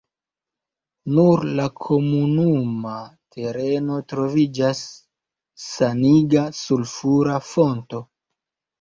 Sur la komunuma tereno troviĝas saniga sulfura fonto.